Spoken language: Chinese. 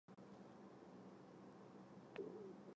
可做为观赏鱼。